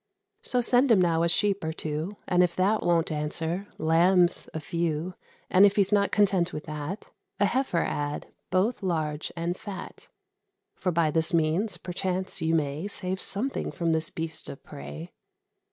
So, send him now a sheep or two; If that won't answer, lambs a few; And if he's not content with that, A heifer add, both large and fat; For by this means, perchance, you may Save something from this beast of prey."